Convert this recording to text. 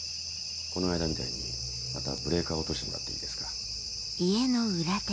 この間みたいにまたブレーカー落としてもらっていいですか？